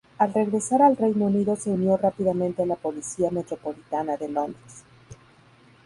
Al regresar al Reino Unido se unió rápidamente a la Policía Metropolitana de Londres.